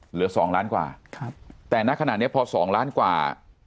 เหลือสองล้านกว่าครับแต่ณขณะเนี้ยพอสองล้านกว่า